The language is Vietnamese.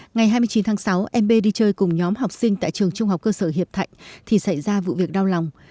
ngày hai mươi chín tháng sáu mb đi chơi cùng nhóm học sinh tại trường trung học cơ sở hiệp thạnh thì xảy ra vụ việc đau lòng